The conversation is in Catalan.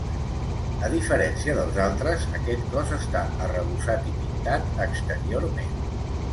A diferència dels altres, aquest cos està arrebossat i pintat exteriorment.